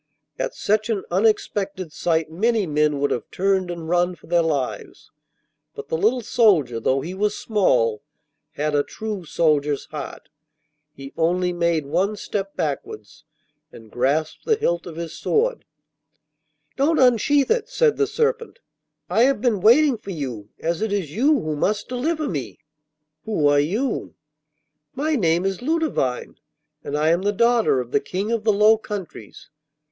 At such an unexpected sight many men would have turned and run for their lives; but the little soldier, though he was so small, had a true soldier's heart. He only made one step backwards, and grasped the hilt of his sword. 'Don't unsheath it,' said the serpent. 'I have been waiting for you, as it is you who must deliver me.' 'Who are you?' 'My name is Ludovine, and I am the daughter of the King of the Low Countries.